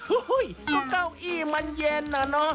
ฮู้ก้าวอี้มันเย็นนะ